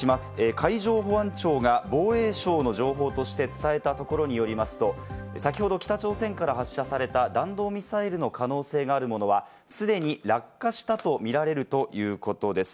海上保安庁が防衛省の情報として伝えたところによりますと、先ほど北朝鮮から発射された弾道ミサイルの可能性があるものは既に落下したとみられるということです。